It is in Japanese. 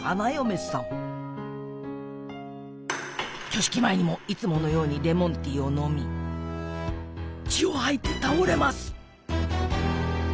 挙式前にもいつものようにレモンティーを飲み血を吐いて倒れます！